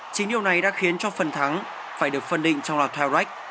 chính điều này đã khiến cho phần thắng phải được phân định trong loạt thail reich